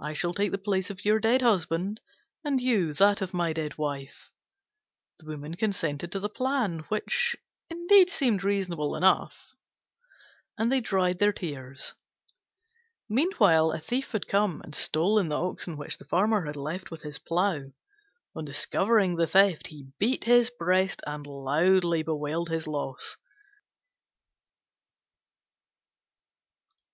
I shall take the place of your dead husband, and you, that of my dead wife." The Woman consented to the plan, which indeed seemed reasonable enough: and they dried their tears. Meanwhile, a thief had come and stolen the oxen which the Farmer had left with his plough. On discovering the theft, he beat his breast and loudly bewailed his loss.